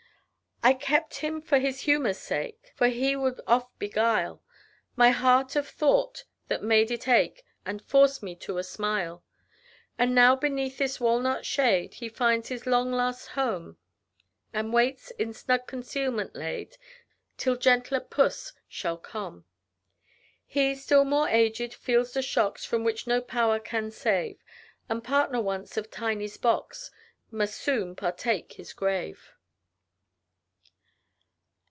I kept him for his humor's sake, For he would oft beguile My heart of thought, that made it ache, And force me to a smile. But now beneath this walnut shade, He finds his long, last home, And waits, in snug concealment laid, Till gentler Puss shall come. He, still more aged, feels the shocks, From which no power can save, And, partner once of Tiney's box, Must soon partake his grave.